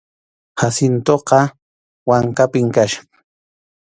Jacintoqa wankanpim kachkan.